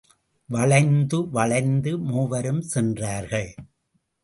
வளைந்து வளைந்து மூவரும் சென்றார்கள்.